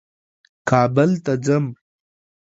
کابل ته ځم.